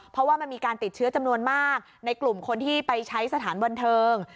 เพราะว่ามันมีการติดเชื้อจำนวนมากในกลุ่มคนที่ไปใช้สถานบันเทิง